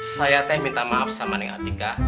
saya teh minta maaf sama ning atika